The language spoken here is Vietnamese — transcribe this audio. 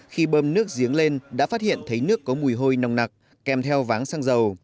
khi bơm nước giếng lên đã phát hiện thấy nước có mùi hôi nồng nặc kèm theo váng xăng dầu